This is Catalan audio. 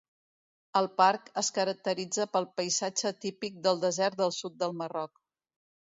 El parc es caracteritza pel paisatge típic del desert del sud del Marroc.